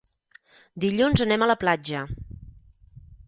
Dilluns anem a la platja.